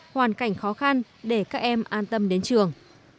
hoàn cảnh khó khăn để các em an tâm đến trường